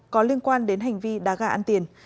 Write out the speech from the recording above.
có liên quan đến hành vi đá gà ăn tiền